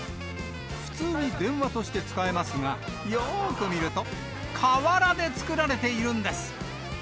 普通に電話として使えますが、よーく見ると、瓦で作られているんです。